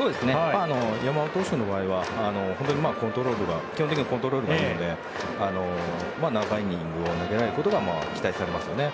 山本投手の場合は基本的にコントロールがいいので長いイニングを投げることが期待されますね。